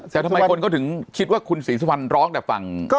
แต่ทำไมคนเขาถึงคิดว่าคุณศรีสุวรรณร้องแต่ฝั่ง